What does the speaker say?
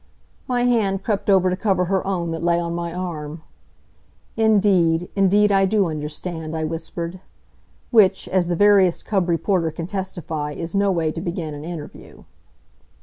My hand crept over to cover her own that lay on my arm. "Indeed, indeed I do understand," I whispered. Which, as the veriest cub reporter can testify, is no way to begin an interview.